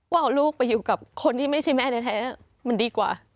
ว่าเอาลูกไปอยู่กับคนที่ไม่ใช่แม่แท้มันดีกว่า